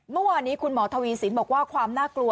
เมื่อวานนี้คุณหมอทวีสินบอกว่าความน่ากลัว